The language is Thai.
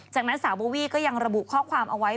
จากนั้นสาวโบวี่ก็ยังระบุข้อความเอาไว้